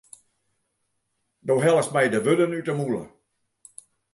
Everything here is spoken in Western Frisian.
Do hellest my de wurden út de mûle.